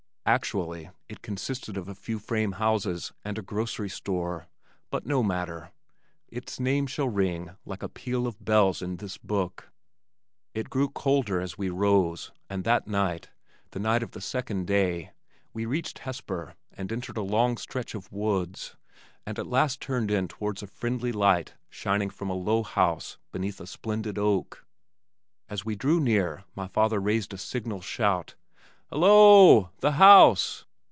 Actually it consisted of a few frame houses and a grocery store. But no matter. Its name shall ring like a peal of bells in this book. It grew colder as we rose, and that night, the night of the second day, we reached Hesper and entered a long stretch of woods, and at last turned in towards a friendly light shining from a low house beneath a splendid oak. As we drew near my father raised a signal shout, "Hallo o o the House!"